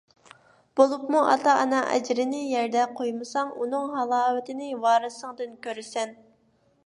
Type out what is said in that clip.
بولۇپمۇ ئاتا-ئانا ئەجرىنى يەردە قويمىساڭ، ئۇنىڭ ھالاۋىتىنى ۋارىسىڭدىن كۆرىسەن.